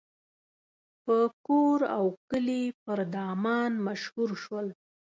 په کور او کلي پر دامان مشهور شول.